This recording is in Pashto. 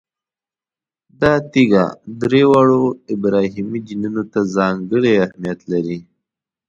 دا تیږه درې واړو ابراهیمي دینونو ته ځانګړی اهمیت لري.